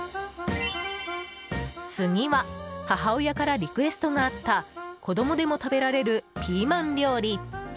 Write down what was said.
次は母親からリクエストがあった子供でも食べられるピーマン料理。